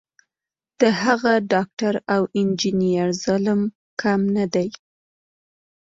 د هغه ډاکټر او انجینر ظلم کم نه دی.